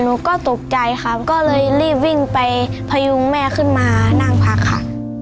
หนูก็ตกใจค่ะก็เลยรีบวิ่งไปพยุงแม่ขึ้นมานั่งพักค่ะ